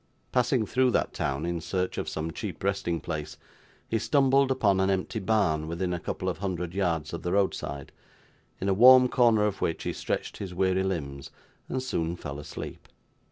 Passing through that town in search of some cheap resting place, he stumbled upon an empty barn within a couple of hundred yards of the roadside; in a warm corner of which, he stretched his weary limbs, and soon fell asleep.